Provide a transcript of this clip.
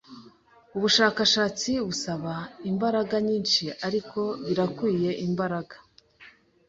Ubushakashatsi busaba imbaraga nyinshi, ariko birakwiye imbaraga.